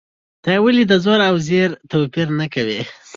ته ولې د زور او زېر توپیر نه کوې؟